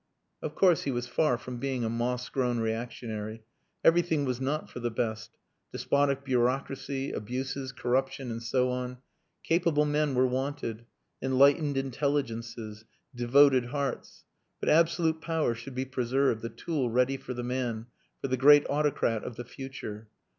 Of course he was far from being a moss grown reactionary. Everything was not for the best. Despotic bureaucracy... abuses... corruption... and so on. Capable men were wanted. Enlightened intelligences. Devoted hearts. But absolute power should be preserved the tool ready for the man for the great autocrat of the future.